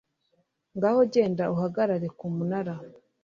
ngaho genda uhagarare ku munara